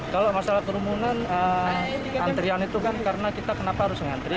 kalau masalah kerumunan antrian itu kan karena kita kenapa harus ngantri